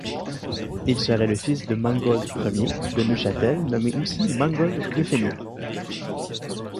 Il serait le fils de Mangold Ier de Neuchâtel nommé aussi Mangold de Fenis.